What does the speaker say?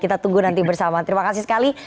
kita tunggu nanti bersama terima kasih sekali